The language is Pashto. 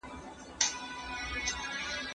تاريخ د پوهي خزانه ده.